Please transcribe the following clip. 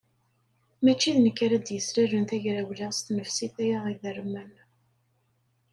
Mačči d nekk ara d-yeslalen tagrawla s tnefsit-a idermen.